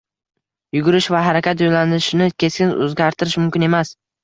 Yugurish va harakat yo‘nalishini keskin o‘zgartirish mumkin emas.